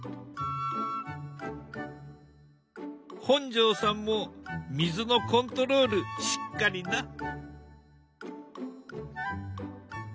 本上さんも水のコントロールしっかりな。